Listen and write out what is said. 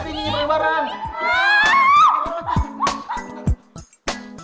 ini ini bareng bareng